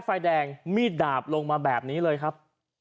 ไฟแดงมีดดาบลงมาแบบนี้เลยครับ